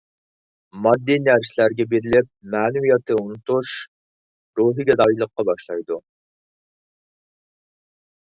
ماددىي نەرسىلەرگە بېرىلىپ مەنىۋىيەتنى ئۇنتۇش روھىي گادايلىققا باشلايدۇ.